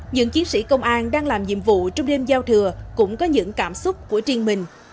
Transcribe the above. những chiến sĩ công an đang làm nhiệm vụ trong đêm giao thừa cũng có những cảm xúc của riêng mình